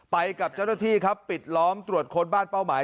ไปกับเจ้าหน้าที่ครับปิดล้อมตรวจค้นบ้านเป้าหมาย